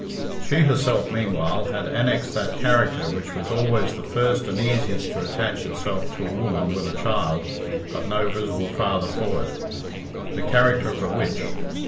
She herself, meanwhile, had annexed that character which was always the first and easiest to attach itself to a woman with a child but no visible father for it the character of a witch.